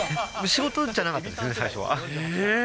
仕事じゃなかったんですね、最初は。